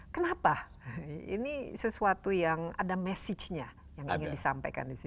kenapa ini sesuatu yang ada message nya yang ingin disampaikan di sini